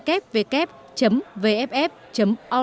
để liên kết tới trang bán vé chính thức